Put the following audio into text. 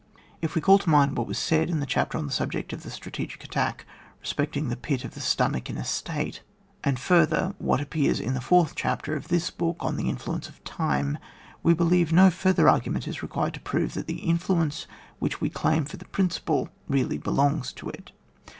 If we call to mind what was said in the chapter on the subject of the strategic attack respecting the pit of the stomach in a state, and further, what appears in the fourth chapter of this book, on the influence of time, we believe no further argimient is required to prove that the influence which we claim for that principle really belongs to it.